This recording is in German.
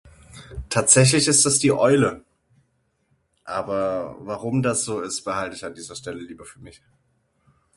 Tatsächlich ist das die Eule. Aber warum das so ist behalte ich an dieser Stelle lieber mal für mich.